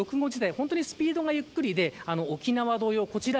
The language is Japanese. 本当にスピードがゆっくりで沖縄同様、こちら